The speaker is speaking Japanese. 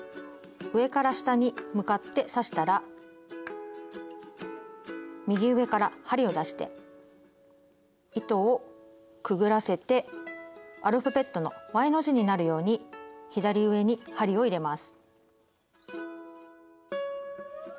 上から下に向かって刺したら右上から針を出して糸をくぐらせてアルファベットの「Ｙ」の字になるように左上に針を入れます。